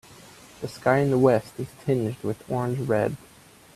The sky in the west is tinged with orange red.